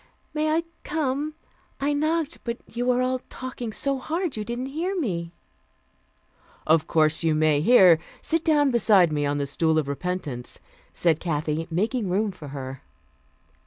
"May I come? I knocked, but you were all talking so hard, you didn't hear me." "Of course you may. Here, sit down beside me on the 'stool of repentance,'" said Kathy, making room for her.